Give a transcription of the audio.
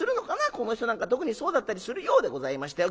この人なんか特にそうだったりするようでございまして。